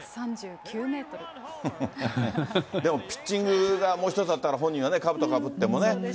でも、ピッチングがもう一つだったから本人はね、かぶとかぶってもね。